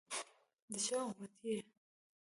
دچا اُمتي يی؟